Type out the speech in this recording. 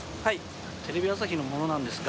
テレビ朝日の者なんですが。